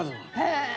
へえ！